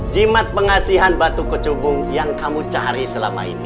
jimat pengasihan batu kecubung yang kamu cari selama ini